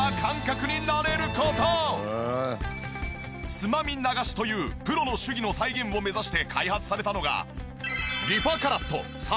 つまみ流しというプロの手技の再現を目指して開発されたのが。